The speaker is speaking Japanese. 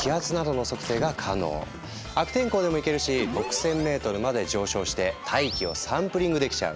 悪天候でもいけるし６，０００ｍまで上昇して大気をサンプリングできちゃう！